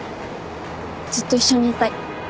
ずっと一緒にいたい。